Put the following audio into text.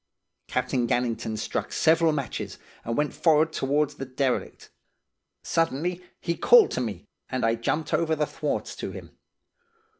"Captain Gannington struck several matches, and went forrard towards the derelict. Suddenly he called to me, and I jumped over the thwarts to him.